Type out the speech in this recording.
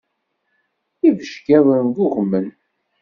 Ibeckiḍen ggugmen.